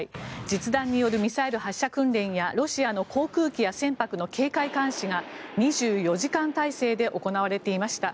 実弾によるミサイル発射訓練やロシアの航空機や船舶の警戒監視が２４時間体制で行われていました。